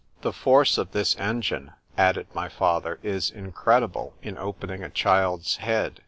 ——The force of this engine, added my father, is incredible in opening a child's head.